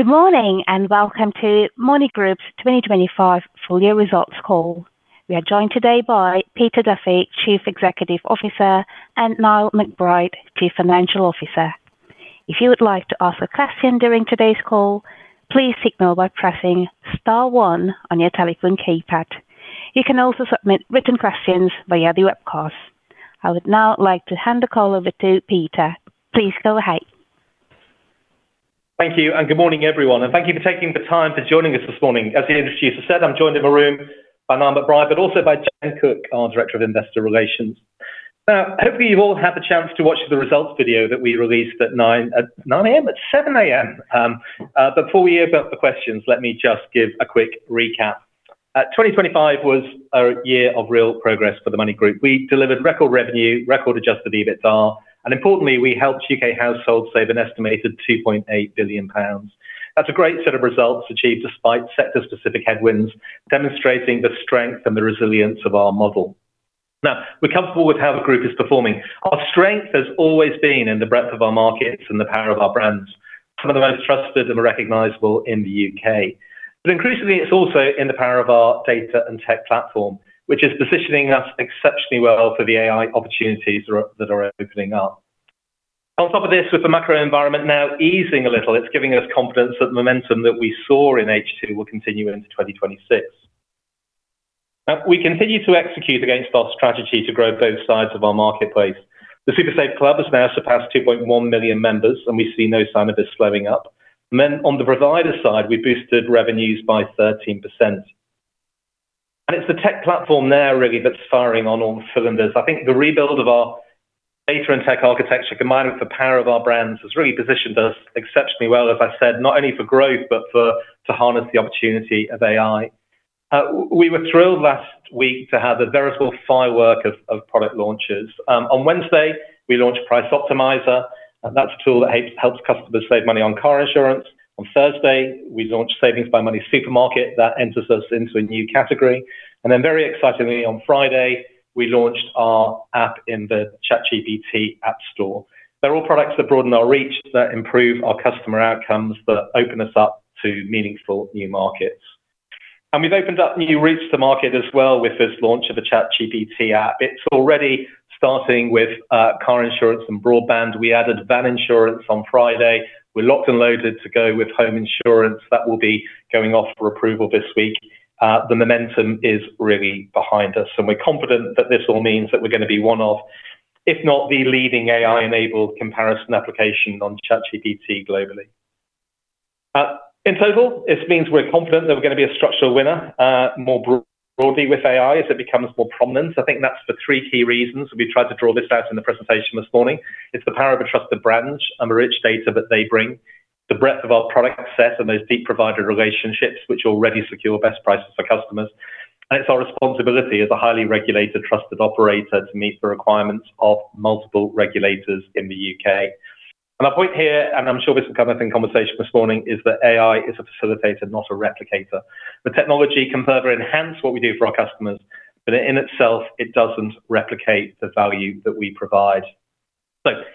Good morning, welcome to MONY Group's 2025 full year results call. We are joined today by Peter Duffy, Chief Executive Officer, and Niall McBride, Chief Financial Officer. If you would like to ask a question during today's call, please signal by pressing star one on your telephone keypad. You can also submit written questions via the webcast. I would now like to hand the call over to Peter. Please go ahead. Thank you, and good morning, everyone, and thank you for taking the time for joining us this morning. As the introducer said, I'm joined in the room by Niall McBride, but also by Jen Cooke, our Director of Investor Relations. Now, hopefully, you've all had the chance to watch the results video that we released at 9 AM? At 7 AM! Before we open up for questions, let me just give a quick recap. 2025 was a year of real progress for the MONY Group. We delivered record revenue, record adjusted EBITDA, and importantly, we helped U.K. households save an estimated 2.8 billion pounds. That's a great set of results achieved despite sector-specific headwinds, demonstrating the strength and the resilience of our model. Now, we're comfortable with how the group is performing. Our strength has always been in the breadth of our markets and the power of our brands, some of the most trusted and recognizable in the U.K. Increasingly, it's also in the power of our data and tech platform, which is positioning us exceptionally well for the AI opportunities that are opening up. On top of this, with the macro environment now easing a little, it's giving us confidence that the momentum that we saw in H2 will continue into 2026. We continue to execute against our strategy to grow both sides of our marketplace. The SuperSaveClub has now surpassed 2.1 million members. We see no sign of this slowing up. On the provider side, we boosted revenues by 13%. It's the tech platform there really that's firing on all cylinders. I think the rebuild of our data and tech architecture, combined with the power of our brands, has really positioned us exceptionally well, as I said, not only for growth, but to harness the opportunity of AI. We were thrilled last week to have a veritable firework of, of product launches. On Wednesday, we launched Price Optimiser, and that's a tool that helps, helps customers save money on car insurance. On Thursday, we launched Savings by MoneySuperMarket. That enters us into a new category. Then, very excitingly, on Friday, we launched our app in the ChatGPT app store. They're all products that broaden our reach, that improve our customer outcomes, that open us up to meaningful new markets. We've opened up new routes to market as well with this launch of a ChatGPT app. It's already starting with, car insurance and broadband. We added van insurance on Friday. We're locked and loaded to go with home insurance. That will be going off for approval this week. The momentum is really behind us, and we're confident that this all means that we're gonna be one of, if not the leading, AI-enabled comparison application on ChatGPT globally. In total, this means we're confident that we're gonna be a structural winner, broadly with AI as it becomes more prominent. I think that's for three key reasons. We tried to draw this out in the presentation this morning. It's the power of a trusted brand and the rich data that they bring, the breadth of our product set and those deep provider relationships which already secure best prices for customers, and it's our responsibility as a highly regulated, trusted operator to meet the requirements of multiple regulators in the U.K.. My point here, and I'm sure this will come up in conversation this morning, is that AI is a facilitator, not a replicator. The technology can further enhance what we do for our customers, but in itself, it doesn't replicate the value that we provide.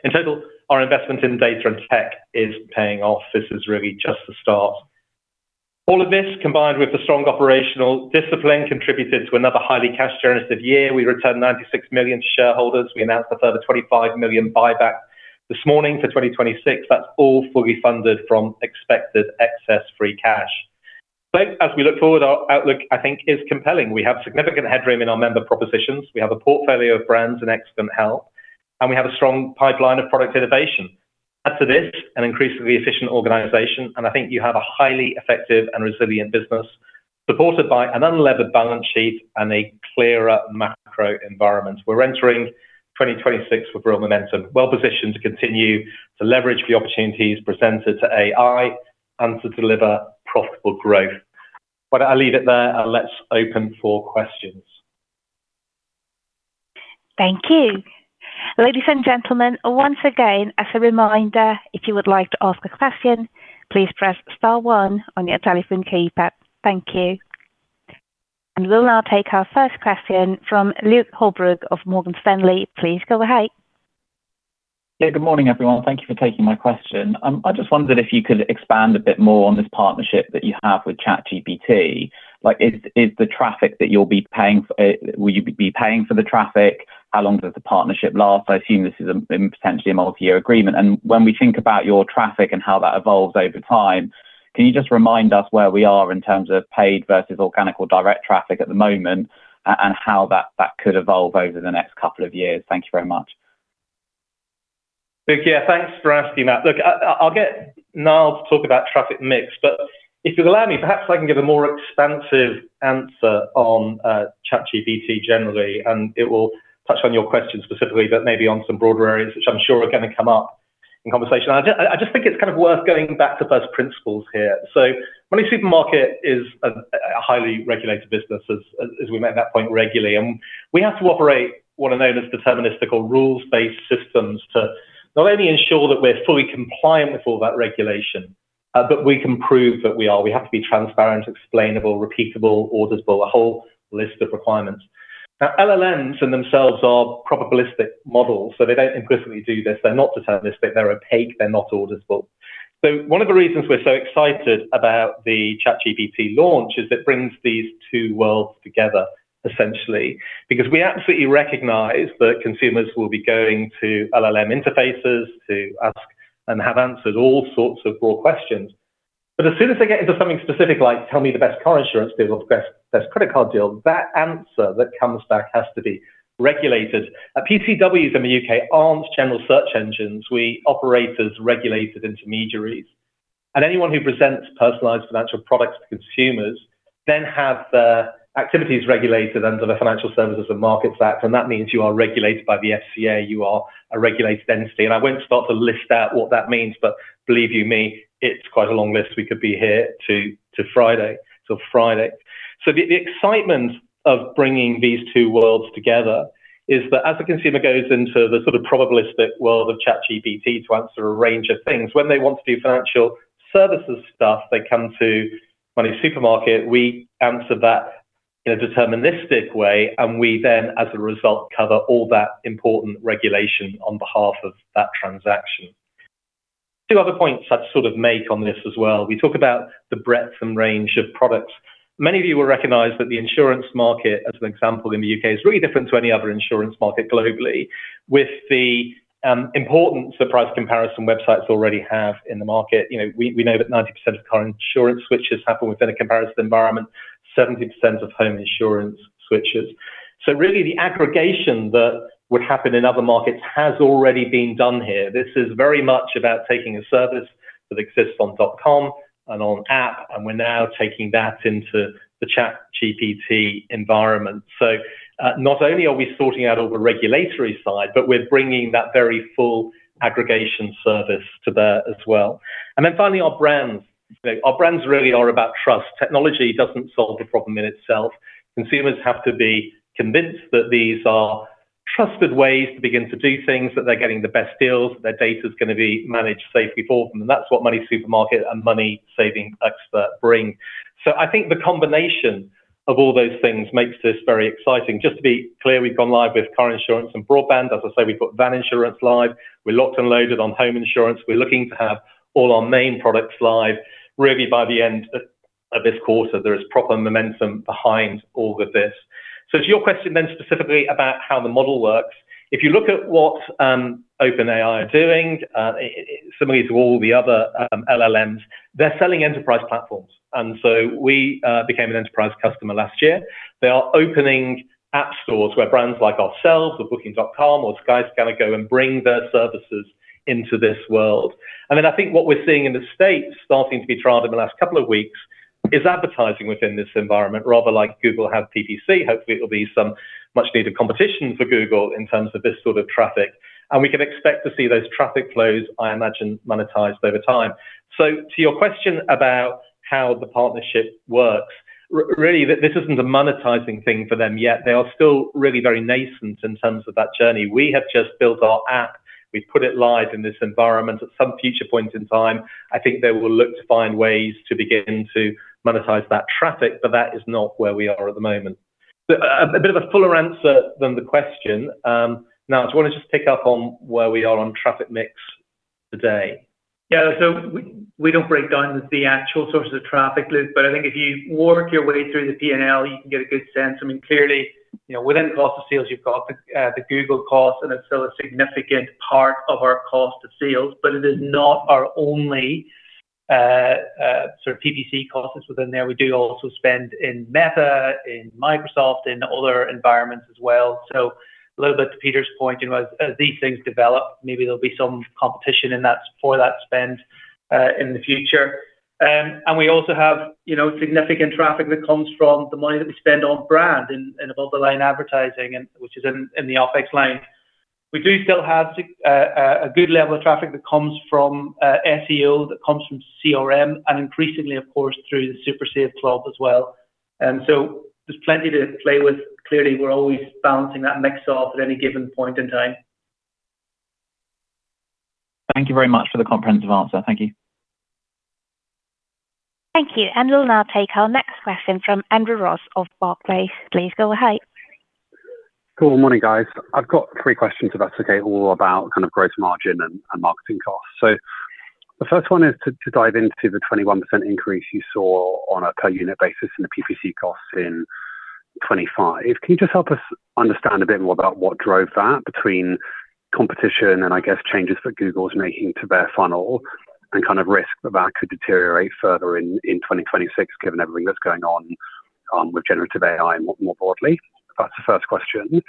In total, our investment in data and tech is paying off. This is really just the start. All of this, combined with the strong operational discipline, contributed to another highly cash generative year. We returned 96 million to shareholders. We announced a further 25 million buyback this morning for 2026. That's all fully funded from expected excess free cash. As we look forward, our outlook, I think, is compelling. We have significant headroom in our member propositions. We have a portfolio of brands in excellent health, and we have a strong pipeline of product innovation. Add to this an increasingly efficient organization, and I think you have a highly effective and resilient business, supported by an unlevered balance sheet and a clearer macro environment. We're entering 2026 with real momentum, well positioned to continue to leverage the opportunities presented to AI and to deliver profitable growth. I'll leave it there, and let's open for questions. Thank you. Ladies and gentlemen, once again, as a reminder, if you would like to ask a question, please press star one on your telephone keypad. Thank you. We'll now take our first question from Luke Holbrook of Morgan Stanley. Please go ahead. Yeah, good morning, everyone. Thank you for taking my question. I just wondered if you could expand a bit more on this partnership that you have with ChatGPT. Like, is the traffic that you'll be paying for... will you be paying for the traffic? How long does the partnership last? I assume this is a potentially a multi-year agreement. When we think about your traffic and how that evolves over time, can you just remind us where we are in terms of paid versus organic or direct traffic at the moment, and how that could evolve over the next couple of years? Thank you very much. Luke, yeah, thanks for asking that. Look, I, I'll get Niall to talk about traffic mix, but if you'll allow me, perhaps I can give a more expansive answer on ChatGPT generally, and it will touch on your question specifically, but maybe on some broader areas, which I'm sure are gonna come up in conversation. I just, I just think it's kind of worth going back to first principles here. MoneySuperMarket is a, a highly regulated business, as, as we make that point regularly, and we have to operate what are known as deterministic or rules-based systems to not only ensure that we're fully compliant with all that regulation, but we can prove that we are. We have to be transparent, explainable, repeatable, auditable, a whole list of requirements. Now, LLMs in themselves are probabilistic models, so they don't implicitly do this. They're not deterministic, they're opaque, they're not auditable. One of the reasons we're so excited about the ChatGPT launch is it brings these two worlds together, essentially, because we absolutely recognize that consumers will be going to LLM interfaces to ask and have answered all sorts of broad questions. As soon as they get into something specific, like, "Tell me the best car insurance deal or best, best credit card deal," that answer that comes back has to be regulated. PCWs in the U.K. aren't general search engines. We operate as regulated intermediaries, anyone who presents personalized financial products to consumers then have their activities regulated under the Financial Services and Markets Act, and that means you are regulated by the FCA, you are a regulated entity. I won't start to list out what that means, but believe you me, it's quite a long list. We could be here to, to Friday, till Friday. The excitement of bringing these two worlds together is that as a consumer goes into the sort of probabilistic world of ChatGPT to answer a range of things, when they want to do financial services stuff, they come to MoneySuperMarket. We answer that in a deterministic way, and we then, as a result, cover all that important regulation on behalf of that transaction. Two other points I'd make on this as well. We talk about the breadth and range of products. Many of you will recognize that the insurance market, as an example, in the U.K., is really different to any other insurance market globally, with the importance that price comparison website already have in the market. You know, we know that 90% of car insurance switches happen within a comparison environment, 70% of home insurance switches. Really, the aggregation that would happen in other markets has already been done here. This is very much about taking a service that exists on dot-com and on app, and we're now taking that into the ChatGPT environment. Not only are we sorting out all the regulatory side, but we're bringing that very full aggregation service to bear as well. Then finally, our brands. Our brands really are about trust. Technology doesn't solve the problem in itself. Consumers have to be convinced that these are trusted ways to begin to do things, that they're getting the best deals, their data's gonna be managed safely for them, and that's what MoneySuperMarket and MoneySavingExpert bring. I think the combination of all those things makes this very exciting. Just to be clear, we've gone live with car insurance and broadband. As I say, we've got van insurance live. We're locked and loaded on home insurance. We're looking to have all our main products live really by the end of, of this quarter. There is proper momentum behind all of this. To your question then, specifically about how the model works, if you look at what OpenAI are doing, similarly to all the other LLMs, they're selling enterprise platforms, and so we became an enterprise customer last year. They are opening app stores where brands like ourselves or Booking.com or Skype kind of go and bring their services into this world. Then I think what we're seeing in the States, starting to be trialed in the last couple of weeks, is advertising within this environment, rather like Google have PPC. Hopefully, it'll be some much needed competition for Google in terms of this traffic, and we can expect to see those traffic flows, I imagine, monetized over time. To your question about how the partnership works, really, this isn't a monetizing thing for them yet. They are still really very nascent in terms of that journey. We have just built our app. We've put it live in this environment. At some future point in time, I think they will look to find ways to begin to monetize that traffic, but that is not where we are at the moment. A, a bit of a fuller answer than the question. Niall, do you want to just pick up on where we are on traffic mix today? Yeah. We, we don't break down the actual sources of traffic, Luke, but I think if you work your way through the P&L, you can get a good sense. I mean, clearly within cost of sales, you've got the Google cost, and it's still a significant part of our cost of sales, but it is not our only PPC costs within there. We do also spend in Meta, in Microsoft, in other environments as well. A little bit to Peter's point, as these things develop, maybe there'll be some competition in that for that spend in the future. We also have, significant traffic that comes from the money that we spend on brand and above-the-line advertising, and which is in, in the OpEx line. We do still have a good level of traffic that comes from SEO, that comes from CRM, and increasingly, of course, through the SuperSaveClub as well. There's plenty to play with. Clearly, we're always balancing that mix off at any given point in time. Thank you very much for the comprehensive answer. Thank you. Thank you. We'll now take our next question from Andrew Ross of Barclays. Please go ahead. Cool. Morning, guys. I've got three questions, if that's okay, all about kind of gross margin and, and marketing costs. The first one is to, to dive into the 21% increase you saw on a per unit basis in the PPC costs in 2025. Can you just help us understand a bit more about what drove that between competition and I guess changes that Google is making to their funnel and kind of risk that could deteriorate further in, in 2026, given everything that's going on with generative AI more, more broadly? That's the first question.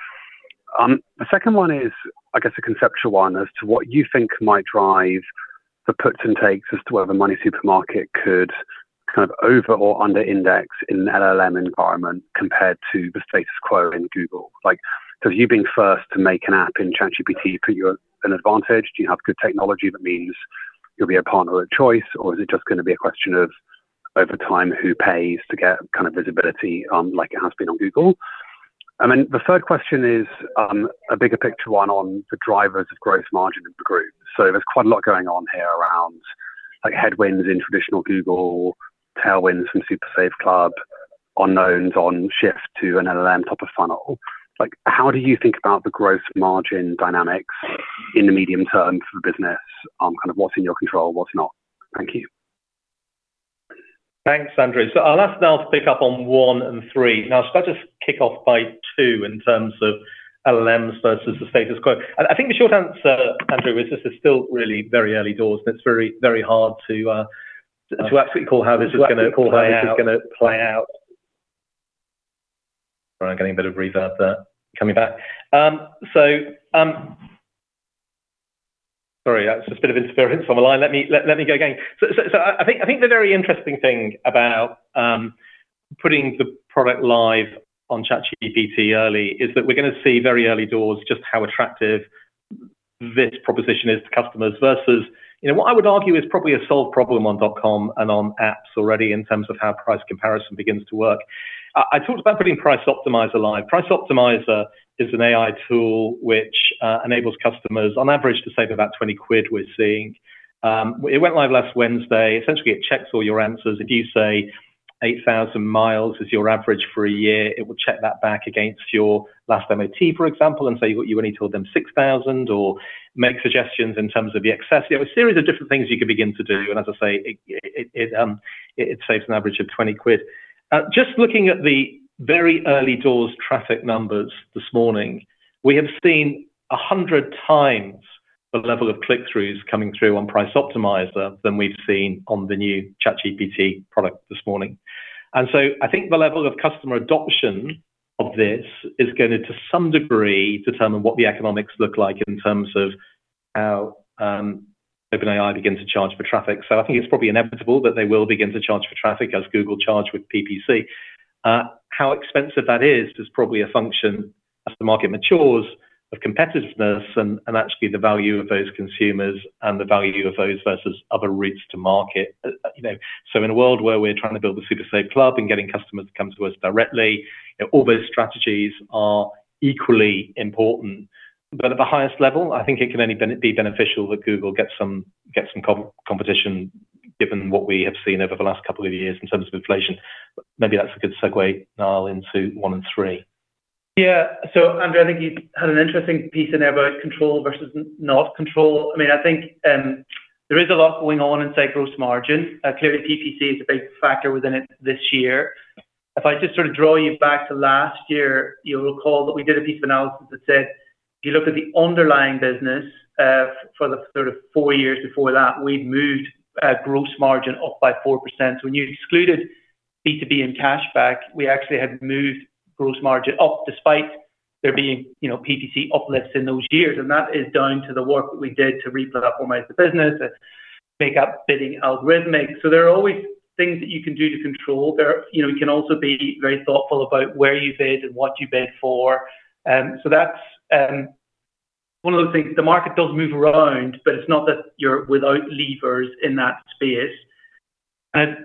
The second one is, I guess, a conceptual one as to what you think might drive the puts and takes as to whether MoneySuperMarket could kind of over or under index in an LLM environment compared to the status quo in Google. Like, does you being first to make an app in ChatGPT put you at an advantage? Do you have good technology that means you'll be a partner of choice, or is it just going to be a question of, over time, who pays to get kind of visibility, like it has been on Google? The third question is a bigger picture, one on the drivers of gross margin of the group. There's quite a lot going on here around, like headwinds in traditional Google, tailwinds from SuperSaveClub, unknowns on shift to an LLM top of funnel. Like, how do you think about the growth margin dynamics in the medium term for the business? Kind of what's in your control, what's not? Thank you. Thanks, Andrew. I'll ask Niall to pick up on one and three. Should I just kick off by two in terms of LLMs versus the status quo? I think the short answer, Andrew, is this is still really very early doors, and it's very, very hard to actually call how this is gonna play out. Sorry, I'm getting a bit of reverb there. Coming back. Sorry, that's just a bit of interference on the line. Let me, let me go again. I think, I think the very interesting thing about, putting the product live on ChatGPT early is that we're gonna see very early doors just how attractive this proposition is to customers versus what I would argue is probably a solved problem on dotcom and on apps already in terms of how price comparison begins to work. I talked about putting Price Optimiser live. Price Optimiser is an AI tool which, enables customers, on average, to save about 20 quid we're seeing. It went live last Wednesday. Essentially, it checks all your answers. If you say 8,000 miles is your average for a year, it will check that back against your last MOT, for example, and say, you only told them 6,000, or make suggestions in terms of the excess. You know, a series of different things you can begin to do. As I say, it saves an average of 20 quid. Just looking at the very early doors traffic numbers this morning, we have seen 100 times the level of click-throughs coming through on Price Optimiser than we've seen on the new ChatGPT product this morning. I think the level of customer adoption of this is going to, some degree, determine what the economics look like in terms of how OpenAI begins to charge for traffic. I think it's probably inevitable that they will begin to charge for traffic as Google charged with PPC. How expensive that is, is probably a function as the market matures of competitiveness and, and actually the value of those consumers and the value of those versus other routes to market. In a world where we're trying to build a SuperSaveClub and getting customers to come to us directly, all those strategies are equally important. At the highest level, I think it can only be beneficial that Google get some competition, given what we have seen over the last couple of years in terms of inflation. Maybe that's a good segue, Niall, into one and three. Yeah. Andrew, I think you had an interesting piece in there about control versus not control. I mean, I think there is a lot going on in say, gross margin. Clearly, PPC is a big factor within it this year. If I just draw you back to last year, you'll recall that we did a piece of analysis that said, if you look at the underlying business, for the four years before that, we'd moved gross margin up by 4%. When you excluded B2B and cashback, we actually had moved gross margin up, despite there being PPC uplifts in those years, and that is down to the work that we did to replatform the business and make up bidding algorithmic. There are always things that you can do to control. You know, you can also be very thoughtful about where you bid and what you bid for. That's one of the things. The market does move around, but it's not that you're without levers in that space.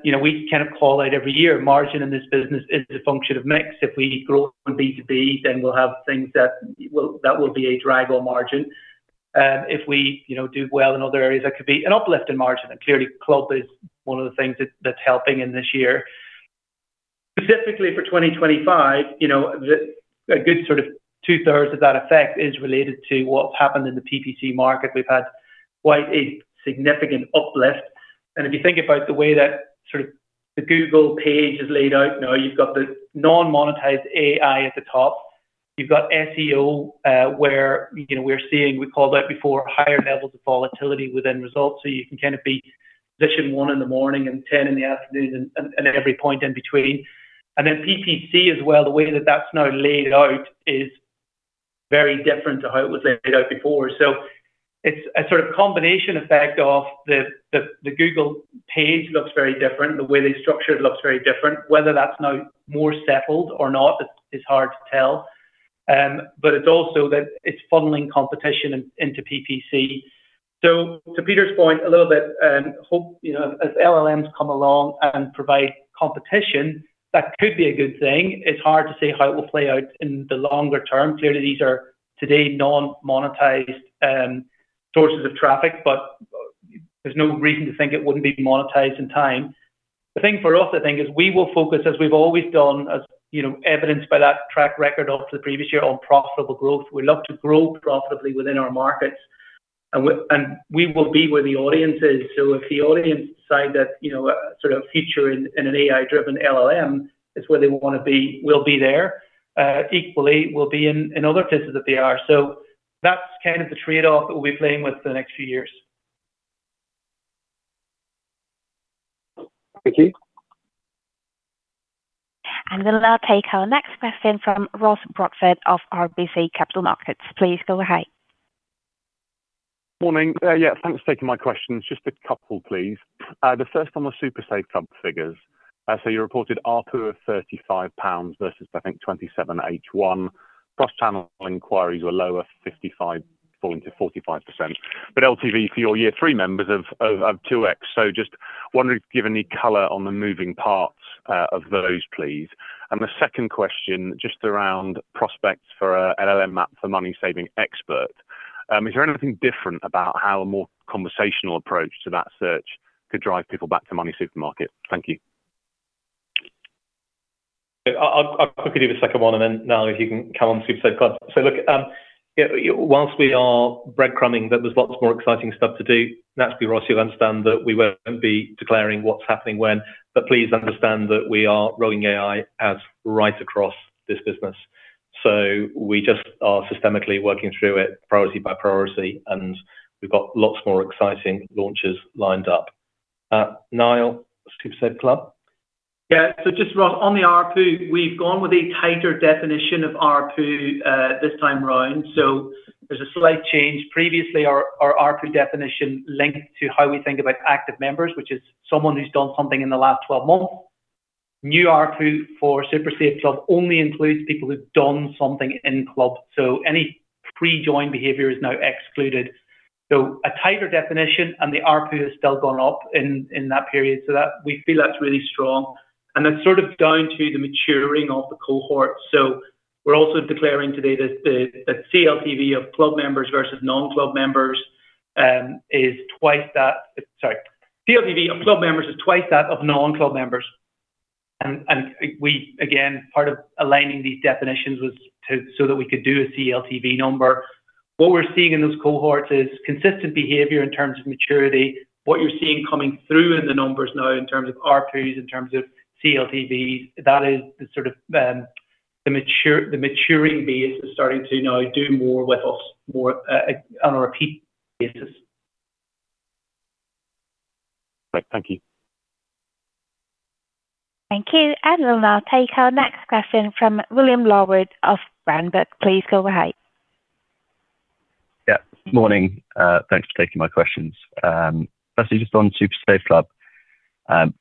You know, we kind of call out every year, margin in this business is a function of mix. If we grow from B2B, then we'll have things that will, that will be a drag on margin. If we do well in other areas, that could be an uplift in margin, and clearly, Club is one of the things that, that's helping in this year. Specifically for 2025 the, a good sort of two-thirds of that effect is related to what's happened in the PPC market. We've had quite a significant uplift. If you think about the way that sort of the Google page is laid out now, you've got the non-monetized AI at the top. You've got SEO, where, you know, we're seeing, we called out before, higher levels of volatility within results. You can kind of be position 1 in the morning and 10 in the afternoon and every point in between. Then PPC as well, the way that that's now laid out is very different to how it was laid out before. It's a sort of combination effect of the, the, the Google page looks very different, the way they structure it looks very different. Whether that's now more settled or not, it's hard to tell. It's also that it's funneling competition in, into PPC. To Peter's point, a little bit, hope, you know, as LLMs come along and provide competition, that could be a good thing. It's hard to say how it will play out in the longer term. Clearly, these are today non-monetized sources of traffic, but there's no reason to think it wouldn't be monetized in time. The thing for us, I think, is we will focus, as we've always done, as evidenced by that track record off to the previous year, on profitable growth. We love to grow profitably within our markets, and we, and we will be where the audience is. If the audience decide that, you know, a sort of feature in, in an AI-driven LLM is where they want to be, we'll be there. Equally, we'll be in, in other places that they are. That's kind of the trade-off that we'll be playing with for the next few years. Thank you. We'll now take our next question from Ross Broadfoot of RBC Capital Markets. Please go ahead. Morning. Yeah, thanks for taking my questions. Just a couple, please. The first on the SuperSaveClub figures. So you reported ARPU of 35 pounds versus, I think, 27 H1. Cross-channel inquiries were lower, 55 falling to 45%. LTV for your year three members 2x. Wondering if you give any color on the moving parts of those, please. The second question, just around prospects for LLM map for MoneySavingExpert. Is there anything different about how a more conversational approach to that search could drive people back to MoneySuperMarket? Thank you. I'll, I'll quickly do the second one, and then, Niall, if you can come on SuperSaveClub. Look, yeah, whilst we are breadcrumbing, that there's lots more exciting stuff to do, naturally, Ross, you'll understand that we won't be declaring what's happening when. Please understand that we are rolling AI as right across this business. We just are systemically working through it priority by priority, and we've got lots more exciting launches lined up. Niall, SuperSaveClub? Yeah. Just, Ross, on the ARPU, we've gone with a tighter definition of ARPU this time around. There's a slight change. Previously, our ARPU definition linked to how we think about active members, which is someone who's done something in the last 12 months. New ARPU for SuperSaveClub only includes people who've done something in club, so any pre-join behavior is now excluded. A tighter definition, and the ARPU has still gone up in that period, so that, we feel that's really strong. Sort of down to the maturing of the cohort. We're also declaring today that the CLTV of club members versus non-club members is twice that. Sorry. CLTV of club members is twice that of non-club members. And we, again, part of aligning these definitions was to, so that we could do a CLTV number. What we're seeing in those cohorts is consistent behavior in terms of maturity. What you're seeing coming through in the numbers now in terms of ARPUs, in terms of CLTVs, that is the sort of, the mature, the maturing base is starting to now do more with us, more, on a repeat basis. Great. Thank you. Thank you. We'll now take our next question from William Larwood of Berenberg. Please go ahead. Yeah, morning. Thanks for taking my questions. Firstly, just on SuperSaveClub,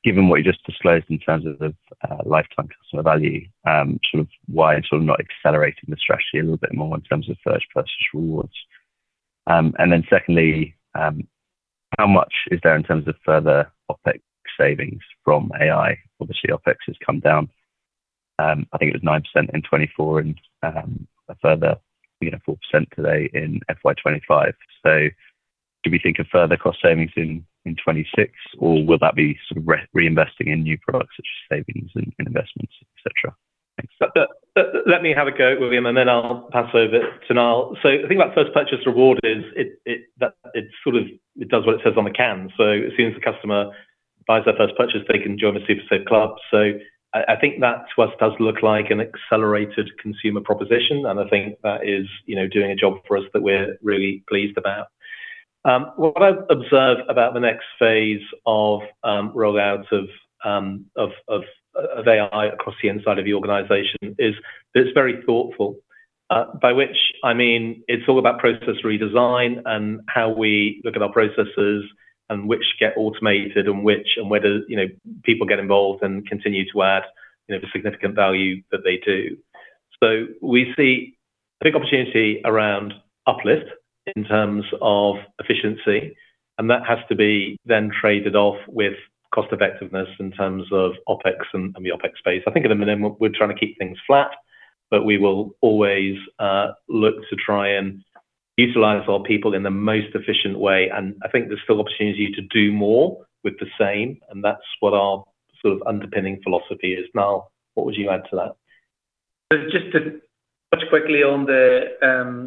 given what you just disclosed in terms of the lifetime customer value, sort of why sort of not accelerating the strategy a little bit more in terms of first purchase rewards? Secondly, how much is there in terms of further OpEx savings from AI? Obviously, OpEx has come down, I think it was 9% in 2024 and, you know, a further 4% today in FY 2025. Do we think of further cost savings in 2026, or will that be sort of re- reinvesting in new products such as savings and, and investments, et cetera? Thanks. Let me have a go, William, and then I'll pass over to Niall. The thing about first purchase reward is it, it, that it sort of, it does what it says on the can. As soon as the customer buys their first purchase, they can join the SuperSaveClub. I, I think that to us does look like an accelerated consumer proposition, and I think that is, you know, doing a job for us that we're really pleased about. What I've observed about the next phase of rollouts of AI across the inside of the organization is that it's very thoughtful. By which I mean, it's all about process redesign and how we look at our processes and which get automated and which, and whether, you know, people get involved and continue to add, you know, the significant value that they do. We see a big opportunity around uplift in terms of efficiency, and that has to be then traded off with cost effectiveness in terms of OpEx and, and the OpEx space. I think at the minimum, we're trying to keep things flat, but we will always look to try and utilize our people in the most efficient way, and I think there's still opportunity to do more with the same, and that's what our sort of underpinning philosophy is. Niall, what would you add to that? Just to touch quickly on the,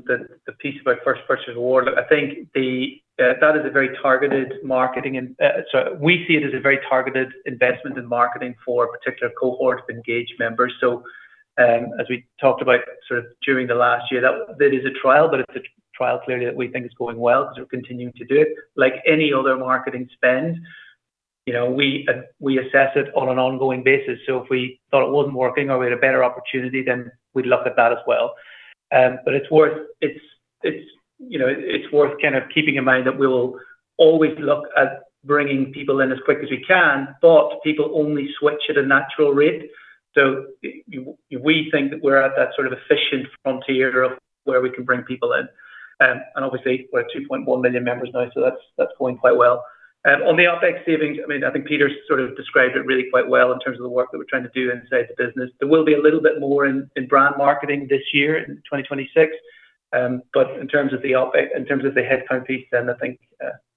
the, the piece about first purchase award, I think the, that is a very targeted marketing and. Sorry, we see it as a very targeted investment in marketing for a particular cohort of engaged members. As we talked about sort of during the last year, that, that is a trial, but it's a trial clearly that we think is going well because we're continuing to do it. Like any other marketing spend, you know, we, we assess it on an ongoing basis. If we thought it wasn't working or we had a better opportunity, then we'd look at that as well. It's worth, it's, it's, you know, it's worth kind of keeping in mind that we will always look at bringing people in as quick as we can, but people only switch at a natural rate. We think that we're at that sort of efficient frontier of where we can bring people in. And obviously, we're at 2.1 million members now, so that's, that's going quite well. On the OpEx savings, I mean, I think Peter sort of described it really quite well in terms of the work that we're trying to do inside the business. There will be a little bit more in, in brand marketing this year, in 2026, but in terms of the OpEx, in terms of the headcount piece, then I think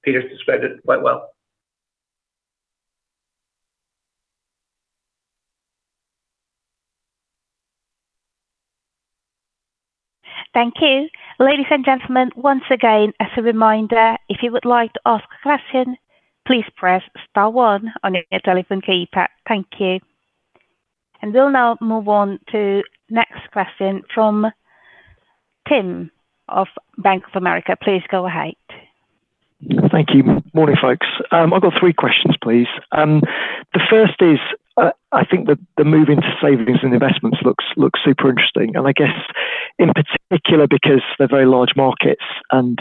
Peter's described it quite well. Thank you. Ladies and gentlemen, once again, as a reminder, if you would like to ask a question, please press star one on your telephone keypad. Thank you. We'll now move on to next question from Tim of Bank of America. Please go ahead. Thank you. Morning, folks. I've got three questions, please. The first is, I think that the move into savings and investments looks, looks super interesting, and I guess in particular, because they're very large markets and,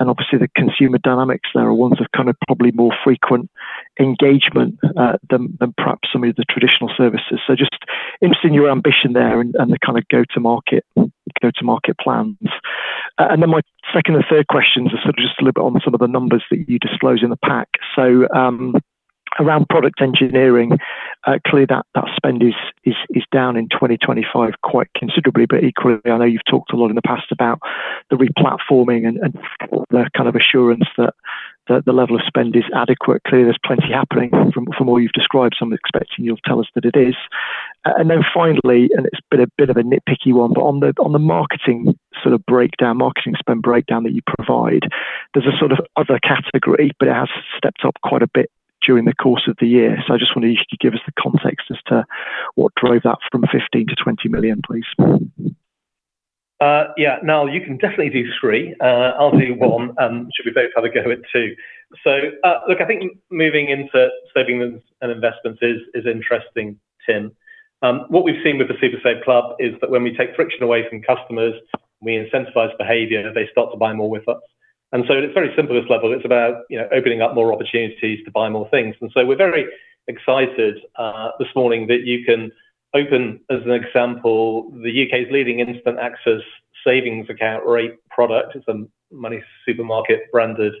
obviously, the consumer dynamics there are ones of kind of probably more frequent engagement than, than perhaps some of the traditional services. So just interested in your ambition there and, and the kind of go-to-market, go-to-market plans. Then my second and third questions are sort of just a little bit on some of the numbers that you disclosed in the pack. Around product engineering, clearly, that, that spend is, is, is down in 2025 quite considerably, but equally, I know you've talked a lot in the past about the replatforming and, and the kind of assurance that, that the level of spend is adequate. Clearly, there's plenty happening. From, from all you've described, so I'm expecting you'll tell us that it is. Then finally, and it's bit, a bit of a nitpicky one, but on the, on the marketing sort of breakdown, marketing spend breakdown that you provide, there's a sort of other category, but it has stepped up quite a bit during the course of the year. I just wondered if you could give us the context as to what drove that from 15 million-20 million, please? Yeah. Now, you can definitely do three. I'll do one, and should we both have a go at two. Look, I think moving into savings and investments is, is interesting, Tim. What we've seen with the SuperSaveClub is that when we take friction away from customers, we incentivize behavior, they start to buy more with us. And so at a very simplest level, it's about, you know, opening up more opportunities to buy more things. And so we're very excited this morning that you can open, as an example, the U.K.'s leading instant access savings account or a product, it's a MoneySuperMarket-branded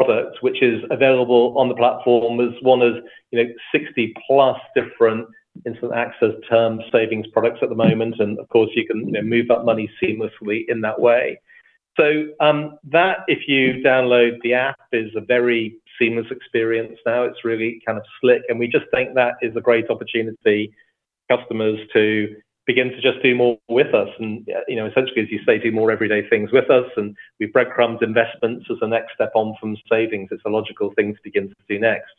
product, which is available on the platform as one of, you know, 60+ different instant access term savings products at the moment. And of course, you can, you know, move that money seamlessly in that way. That, if you download the app, is a very seamless experience now. It's really kind of slick, and we just think that is a great opportunity for customers to begin to just do more with us. You know, essentially, as you say, do more everyday things with us, and we've breadcrumbed investments as a next step on from savings. It's a logical thing to begin to do next.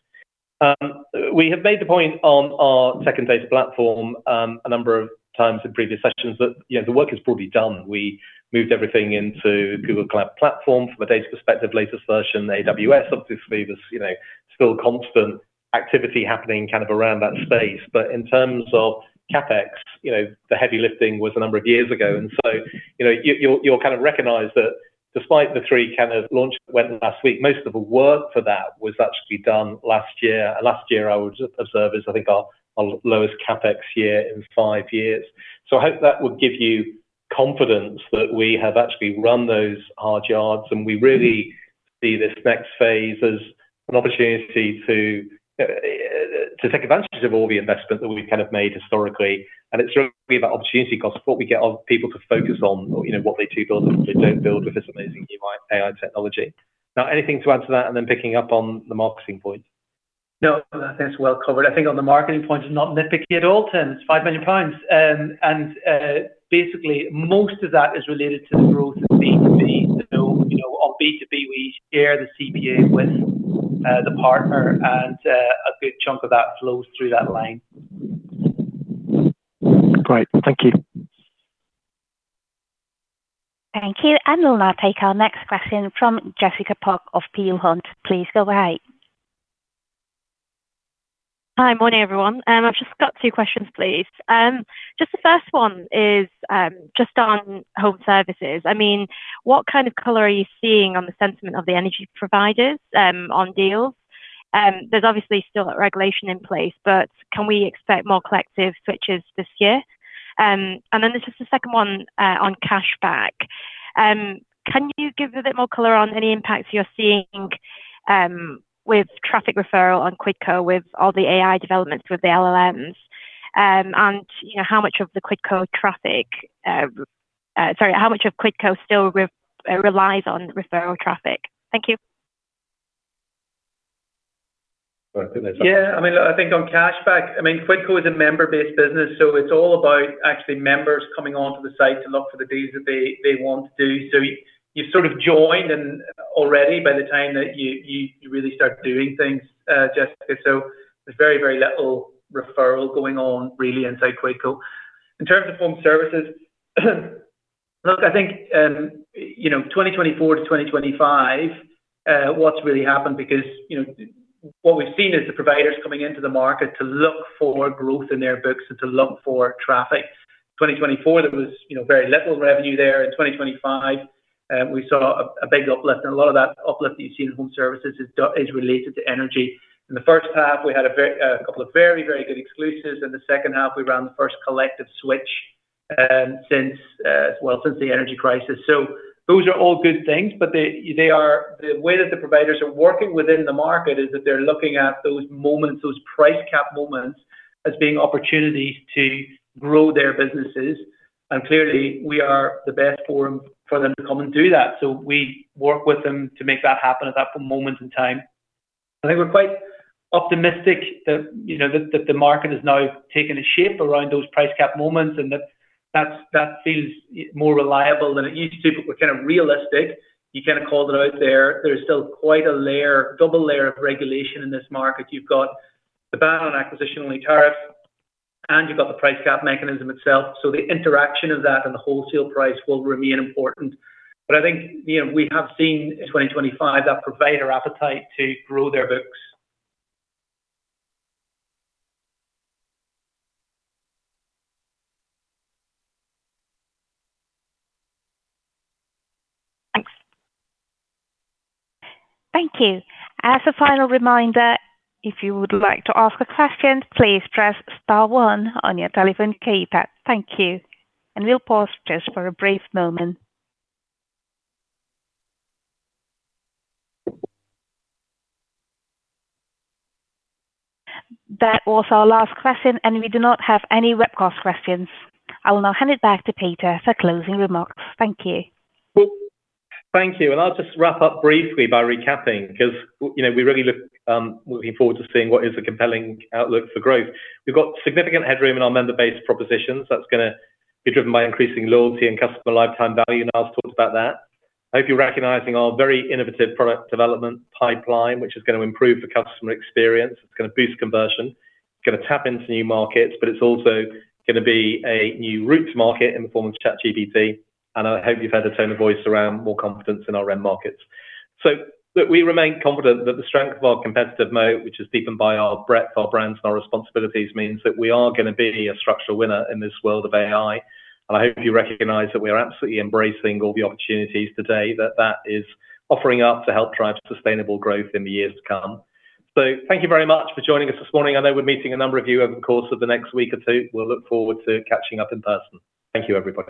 We have made the point on our second data platform, a number of times in previous sessions that, you know, the work is broadly done. We moved everything into Google Cloud Platform. From a data perspective, latest version, AWS, obviously, there's, you know, still constant activity happening kind of around that space. In terms of CapEx, you know, the heavy lifting was a number of years ago, and so, you know, you, you'll, you'll kind of recognize that despite the three kind of launch went last week, most of the work for that was actually done last year. Last year, I would observe, is, I think, our, our lowest CapEx year in five years. I hope that would give you confidence that we have actually run those hard yards, and we really see this next phase as an opportunity to take advantage of all the investment that we've kind of made historically. It's really about opportunity cost, what we get our people to focus on, or, you know, what they do build and what they don't build with this amazing new AI technology. Anything to add to that, and then picking up on the marketing point? No, I think it's well covered. I think on the marketing point, it's not nitpicky at all, Tim. It's 5 million pounds. Basically, most of that is related to the growth of B2B. You know, on B2B, we share the CPA with the partner, and a good chunk of that flows through that line. Great. Thank you. Thank you. We'll now take our next question from Jessica Pok of Peel Hunt. Please go right ahead. Hi. Morning, everyone. I've just got two questions, please. Just the first one is just on Home Services. I mean, what kind of color are you seeing on the sentiment of the energy providers on deals? There's obviously still a regulation in place. Can we expect more collective switches this year? Then this is the 2nd one on cashback. Can you give a bit more color on any impacts you're seeing with traffic referral on Quidco, with all the AI developments, with the LLMs? You know, how much of the Quidco traffic, sorry, how much of Quidco still relies on referral traffic? Thank you. I think that's. Yeah, I mean, I think on cashback, I mean, Quidco is a member-based business, so it's all about actually members coming onto the site to look for the deals that they, they want to do. You, you've sort of joined and already by the time that you, you, you really start doing things, Jessica, there's very, very little referral going on really inside Quidco. In terms of Home Services, look, I think, you know, 2024 to 2025, what's really happened because, you know, what we've seen is the providers coming into the market to look for growth in their books and to look for traffic. 2024, there was, you know, very little revenue there. In 2025, we saw a, a big uplift, and a lot of that uplift that you've seen in Home Services is related to energy. In the first half, we had a very, a couple of very, very good exclusives. In the second half, we ran the first collective switch, since, well, since the energy crisis. Those are all good things, but they, they are. The way that the providers are working within the market is that they're looking at those moments, those price cap moments, as being opportunities to grow their businesses, and clearly, we are the best forum for them to come and do that. We work with them to make that happen at that moment in time. I think we're quite optimistic that, you know, that, that the market has now taken a shape around those price cap moments, and that, that feels more reliable than it used to, but we're kind of realistic. You kind of called it out there. There's still quite a layer, double layer of regulation in this market. You've got the ban on acquisition-only tariffs, and you've got the price cap mechanism itself. The interaction of that and the wholesale price will remain important. I think, you know, we have seen in 2025, that provider appetite to grow their books. Thanks. Thank you. As a final reminder, if you would like to ask a question, please press star one on your telephone keypad. Thank you. We'll pause just for a brief moment. That was our last question, and we do not have any webcast questions. I will now hand it back to Peter for closing remarks. Thank you. Thank you, I'll just wrap up briefly by recapping, 'cause, you know, we really look, looking forward to seeing what is a compelling outlook for growth. We've got significant headroom in our member-based propositions. That's gonna be driven by increasing loyalty and customer lifetime value, Niall's talked about that. I hope you're recognizing our very innovative product development pipeline, which is gonna improve the customer experience. It's gonna boost conversion. It's gonna tap into new markets, it's also gonna be a new route to market in the form of ChatGPT, I hope you've heard the tone of voice around more confidence in our brand markets. Look, we remain confident that the strength of our competitive moat, which is deepened by our breadth, our brands, and our responsibilities, means that we are gonna be a structural winner in this world of AI. I hope you recognize that we are absolutely embracing all the opportunities today, that that is offering up to help drive sustainable growth in the years to come. Thank you very much for joining us this morning. I know we're meeting a number of you over the course of the next week or two. We'll look forward to catching up in person. Thank you, everybody.